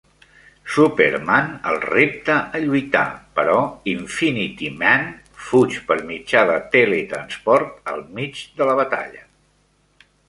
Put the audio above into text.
Superman el repta a lluitar, però Infinity-Man fuig per mitjà de tele-transport al mig de la batalla.